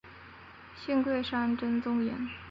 信贵山真言宗。